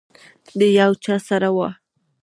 د یو چا سره وه.